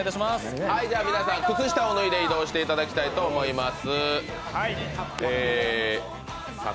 皆さん、靴下を脱いで移動していただきたいと思います。